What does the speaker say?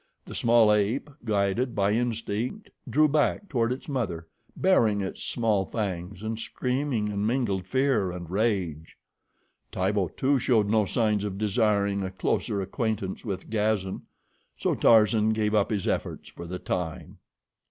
The small ape, guided by instinct, drew back toward its mother, baring its small fangs and screaming in mingled fear and rage. Tibo, too, showed no signs of desiring a closer acquaintance with Gazan, so Tarzan gave up his efforts for the time.